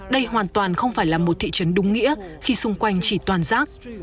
đây hoàn toàn không phải là một thị trấn đúng nghĩa khi xung quanh chỉ toàn giác